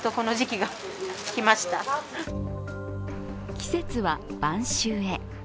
季節は晩秋へ。